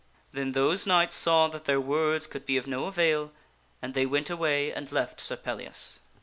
Then those knights saw that their words could be of no avail and they went away and left Sir Pellias.